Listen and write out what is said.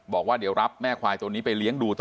บอกว่าเดี๋ยวรับแม่ควายตัวนี้ไปเลี้ยงดูต่อ